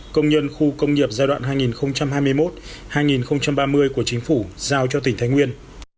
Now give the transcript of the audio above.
công nhân khu công nghiệp giai đoạn hai nghìn hai mươi một hai nghìn ba mươi của chính phủ giao cho tỉnh thái nguyên